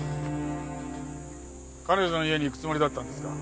彼女の家に行くつもりだったんですか？